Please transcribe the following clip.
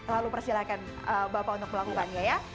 lalu persilahkan bapak untuk melakukannya ya